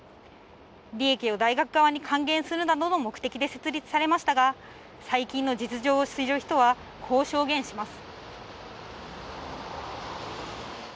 利益を大学側に還元するなどの目的で設立されましたが、最近の実情を知る人はこう証言します。